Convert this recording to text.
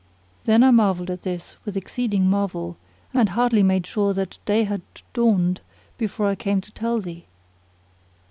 Then I marvelled at this with exceeding marvel and hardly made sure that day had dawned before I came to tell thee."